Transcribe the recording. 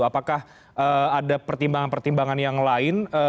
apakah ada pertimbangan pertimbangan yang lain